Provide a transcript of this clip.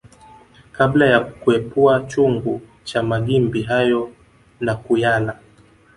Kabla ya kuepua chungu cha magimbi hayo na kuyala